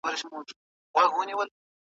خوږیاڼۍ